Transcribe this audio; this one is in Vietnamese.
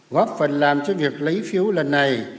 góp phần làm cho việc lấy phiếu lần này